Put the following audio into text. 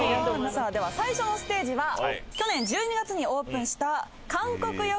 さあでは最初のステージは去年１２月にオープンした韓国横丁です。